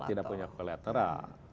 tidak punya kolateral